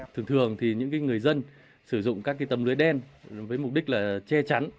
thường thường thì những người dân sử dụng các tấm lưới đen với mục đích là che chắn